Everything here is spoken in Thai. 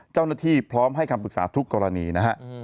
เจ้าหน้าที่พร้อมให้คำปรึกษาทุกกรณีนะฮะ